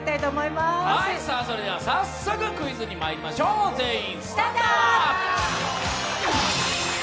それでは早速クイズにまいりましょう、全員スタンドアップ。